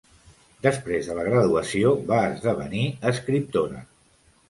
Després de la graduació, va esdevenir escriptora.